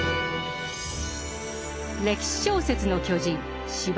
歴史小説の巨人司馬